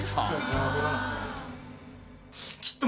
きっと